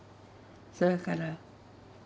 それから。